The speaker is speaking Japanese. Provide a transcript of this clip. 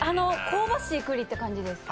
香ばしいくりって感じです。